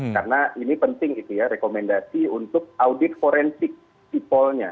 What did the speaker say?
karena ini penting itu ya rekomendasi untuk audit forensik sipolnya